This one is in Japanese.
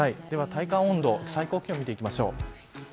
では体感温度最高気温を見ていきましょう。